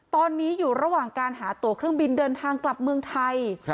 ตอนนี้อยู่ระหว่างการหาตัวเครื่องบินเดินทางกลับเมืองไทย